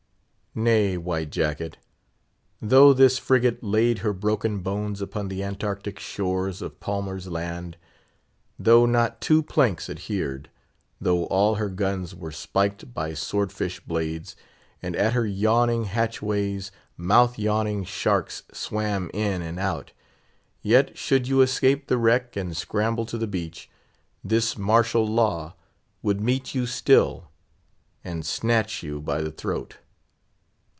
Nay, White Jacket, though this frigate laid her broken bones upon the Antarctic shores of Palmer's Land; though not two planks adhered; though all her guns were spiked by sword fish blades, and at her yawning hatchways mouth yawning sharks swam in and out; yet, should you escape the wreck and scramble to the beach, this Martial Law would meet you still, and snatch you by the throat.